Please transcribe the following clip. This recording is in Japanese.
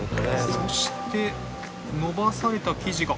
そしてのばされた生地が。